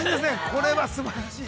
これはすばらしい。